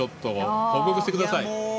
報告してください。